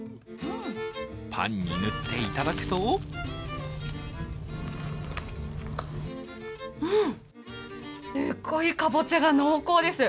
パンに塗っていただくとすごいかぼちゃが濃厚です。